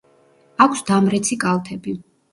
აქვს დამრეცი კალთები.